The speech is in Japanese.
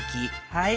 はい。